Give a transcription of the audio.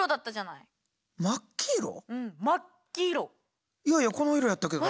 いやいやこの色やったけどな。